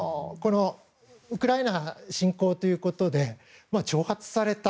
ウクライナ侵攻ということで挑発された。